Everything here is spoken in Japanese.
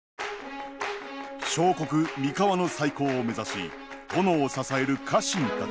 小国三河の再興を目指し殿を支える家臣たち。